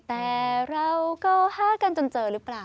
แต่เราก็ฮากันจนเจอหรือเปล่า